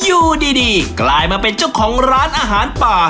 อยู่ดีกลายมาเป็นเจ้าของร้านอาหารป่า